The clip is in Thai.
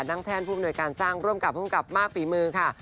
แท่นผู้อำนวยการสร้างร่วมกับภูมิกับมากฝีมือค่ะ